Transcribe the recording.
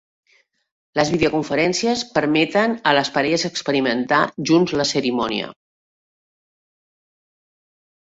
Les videoconferències permeten a les parelles experimentar junts la cerimònia.